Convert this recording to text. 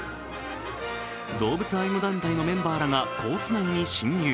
動物愛護団体のメンバーらがコース内に侵入。